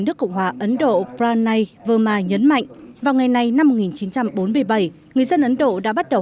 nước cộng hòa ấn độ pranay verma nhấn mạnh vào ngày nay năm một nghìn chín trăm bốn mươi bảy người dân ấn độ đã bắt đầu